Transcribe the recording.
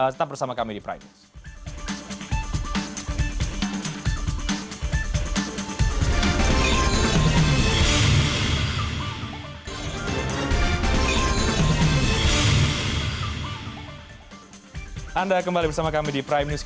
tetap bersama kami di primes